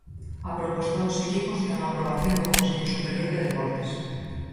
A proposta dos equipos ten a aprobación do Consello Superior de Deportes.